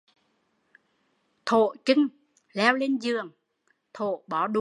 Thổ chưn leo lên giường, Thổ bó đũa